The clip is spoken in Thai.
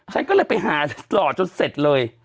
ฉันก็เลยไปหาหล่อจนเสร็จเลย